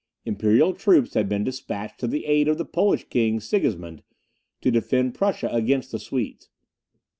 Imperial troops had been despatched to the aid of the Polish king, Sigismund, to defend Prussia against the Swedes.